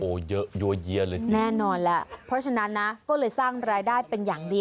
โอ้โหเยอะยัวเยียเลยแน่นอนแล้วเพราะฉะนั้นนะก็เลยสร้างรายได้เป็นอย่างดี